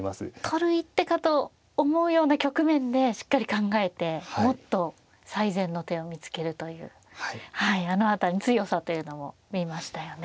取る一手かと思うような局面でしっかり考えてもっと最善の手を見つけるというあの辺りに強さというのも見えましたよね。